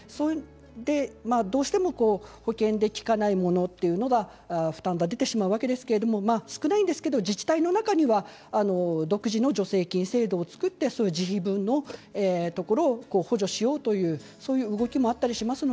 どうしても保険で利かないものというのは負担が出てしまいますが少ないんですが自治体の中では独自の助成金制度を作って自費分のところを補助しようという動きもあります。